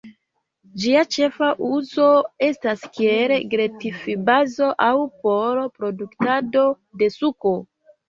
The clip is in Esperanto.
Ĝia ĉefa uzo estas kiel gretfbazo aŭ por produktado de suko.